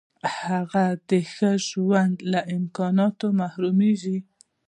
هغه د ښه ژوند له امکاناتو محرومیږي.